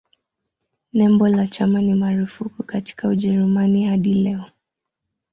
Nembo la chama ni marufuku katika Ujerumani hadi leo.